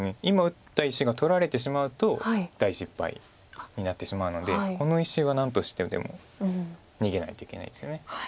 今打った石が取られてしまうと大失敗になってしまうのでこの石は何としてでも逃げないといけないですよね。